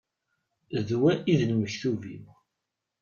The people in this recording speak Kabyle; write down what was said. D wa i d lmektub-iw.